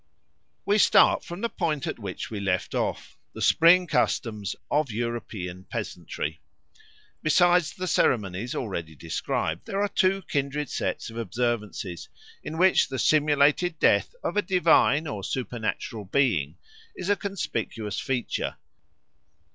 We start from the point at which we left off the spring customs of European peasantry. Besides the ceremonies already described there are two kindred sets of observances in which the simulated death of a divine or supernatural being is a conspicuous feature.